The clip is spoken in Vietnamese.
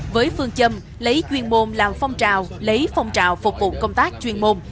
với phương châm lấy chuyên môn làm phong trào lấy phong trào phục vụ công tác chuyên môn